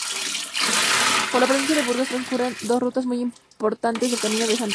Por la provincia de Burgos transcurren dos rutas muy importantes del Camino de Santiago.